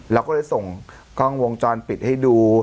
เราก็เลยส่งกล้องวงจรปิดให้ดู